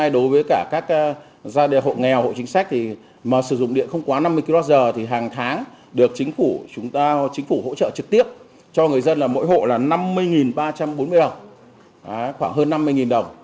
đối với các gia đình hộ nghèo hộ chính sách sử dụng điện không quá năm mươi kwh thì hàng tháng được chính phủ hỗ trợ trực tiếp cho người dân là mỗi hộ là năm mươi ba trăm bốn mươi đồng khoảng hơn năm mươi đồng